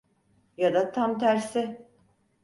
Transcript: Ya da tam tersi.